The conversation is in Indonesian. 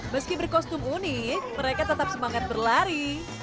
meski berkostum unik mereka tetap semangat berlari